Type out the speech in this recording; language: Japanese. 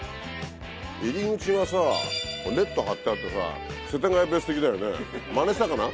入り口がこれネット張ってあって世田谷ベース的だよねマネしたかな？